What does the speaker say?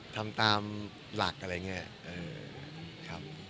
ทำตามหลักอะไรเงี้ยเออครับอย่างงั้นอย่างงั้นอีเวนต์ก็ออกเยอะครับ